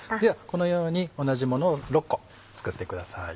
このように同じものを６個作ってください。